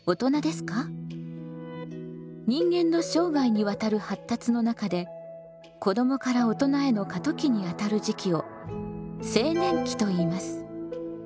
人間の生涯にわたる発達の中で子どもから大人への過渡期にあたる時期を青年期といいます。